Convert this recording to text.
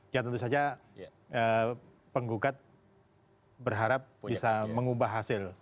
ya tentu saja penggugat berharap bisa mengubah hasil